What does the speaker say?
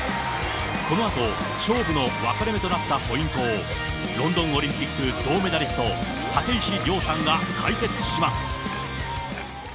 このあと、勝負の分かれ目となったポイントを、ロンドンオリンピック銅メダリスト、立石諒さんが解説します。